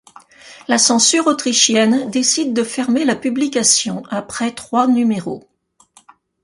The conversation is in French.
La censure autrichienne décide de fermer la publication après trois numéros.